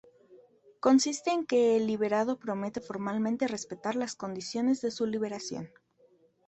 Consiste en que el liberado promete formalmente respetar las condiciones de su liberación.